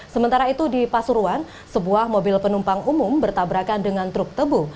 sementara itu di pasuruan sebuah mobil penumpang umum bertabrakan dengan truk tebu